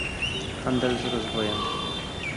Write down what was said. handel z rozwojem